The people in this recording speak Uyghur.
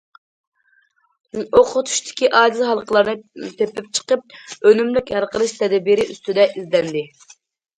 ئوقۇتۇشتىكى ئاجىز ھالقىلارنى تېپىپ چىقىپ، ئۈنۈملۈك ھەل قىلىش تەدبىرى ئۈستىدە ئىزدەندى.